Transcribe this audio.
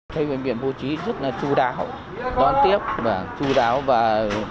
theo dõi ổn định chúng tôi mới chuyển sang các phòng bình thường